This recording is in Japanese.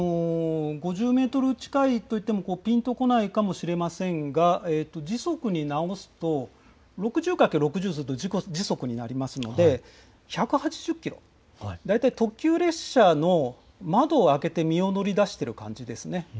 ５０メートル近いといっても、ぴんとこないかもしれませんが、時速に直すと６０かける６０すると、時速になりますので、１８０キロ、大体特急列車の窓を開けて身を乗り出している感じですね。